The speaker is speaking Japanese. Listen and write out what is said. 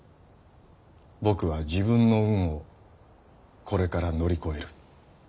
僕は自分の「運」をこれから乗り越える！！